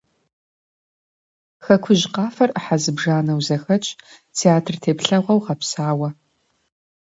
«Хэкужь къафэр» Ӏыхьэ зыбжанэу зэхэтщ, театр теплъэгъуэу гъэпсауэ.